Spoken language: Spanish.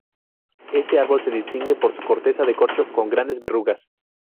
Este árbol se distingue por su corteza de corcho con grandes verrugas.